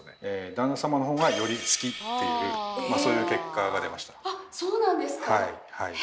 旦那様の方がより好きっていうそういう結果が出ました。